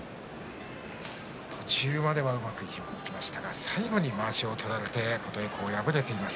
途中まではうまくいきましたが最後にまわしを取られて琴恵光は敗れています